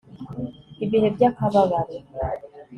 Ibihe byakababaro